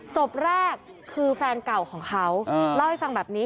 ศพแรกคือแฟนเก่าของเขาเล่าให้ฟังแบบนี้